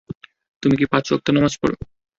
তুমি কি পাঁচ ওয়াক্ত নামাজ পড়ো।